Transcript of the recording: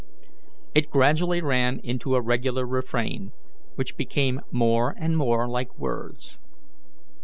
It gradually ran into a regular refrain, which became more and more like words.